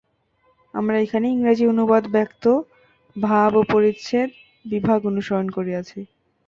আমরা এখানে ইংরেজী অনুবাদে ব্যক্ত ভাব ও পরিচ্ছেদ-বিভাগ অনুসরণ করিয়াছি।